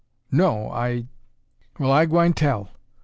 "No, I " "Well, I gwine tell.